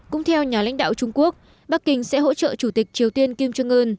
cũng theo nhà lãnh đạo trung quốc bắc kinh sẽ hỗ trợ chủ tịch triều tiên kim jong un